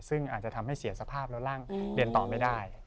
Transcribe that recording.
ซึ่งอาจจะทำให้เสียสภาพแล้วร่างเรียนต่อไม่ได้